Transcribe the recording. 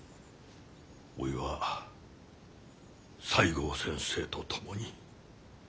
おいは西郷先生と共に世の。